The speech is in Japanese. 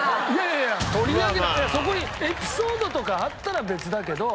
そこにエピソードとかあったら別だけど。